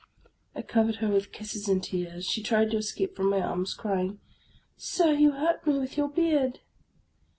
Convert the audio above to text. I covered her with kisses and tears. She tried to escape from my arms, crying, —" Sir, you hurt me with your beard."